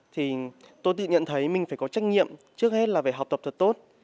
thì tôi tự nhận thấy mình phải có trách nhiệm trước hết là về học tập thật tốt